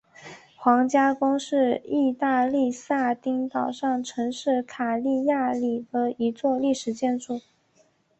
皇家宫是义大利撒丁岛上城市卡利亚里的一座历史建筑。